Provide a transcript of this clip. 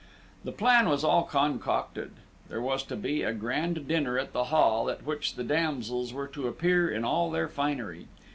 The plan was all concocted. There was to be a grand dinner at the Hall, at which the damsels were to appear in all their finery.